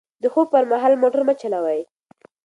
د خوب پر مهال موټر مه چلوئ.